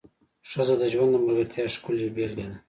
ښځه د ژوند د ملګرتیا ښکلې بېلګه ده.